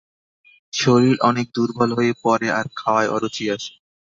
শরীর অনেক দূর্বল হয়ে পরে আর খাওয়ায় অরুচি আসে।